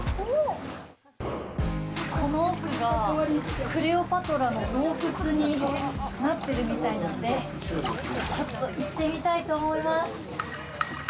この奥がクレオパトラの洞窟になってるみたいなので、ちょっと行ってみたいと思います。